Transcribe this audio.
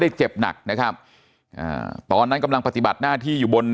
เจ็บหนักนะครับอ่าตอนนั้นกำลังปฏิบัติหน้าที่อยู่บน